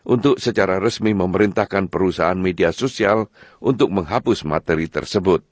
untuk secara resmi memerintahkan perusahaan media sosial untuk menghapus materi tersebut